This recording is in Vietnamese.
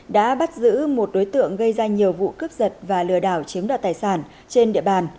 đã bắt giữ một đối tượng gây ra nhiều vụ cướp giật và lừa đảo chiếm đoạt tài sản trên địa bàn